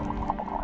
ya makasih ya